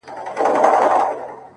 o مسافرۍ كي يك تنها پرېږدې؛